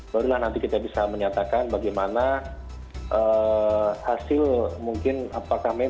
barulah nanti kita bisa menyatakan bagaimana hasil mungkin apakah memang